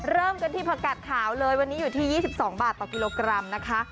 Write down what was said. เริ่มกันที่ผักกัดขาวเลยวันนี้อยู่ที่๒๒บาทต่อกิโลกรัมนะคะ